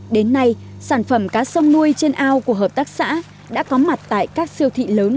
đến nay sản phẩm cá sông nuôi trên ao của hợp tác xã đã có mặt tại các siêu thị lớn